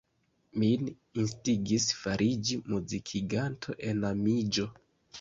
Min instigis fariĝi muzikiganto enamiĝo.